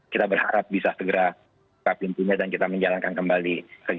kita berharap bisa segera berpimpinnya dan kita menjalankan kembali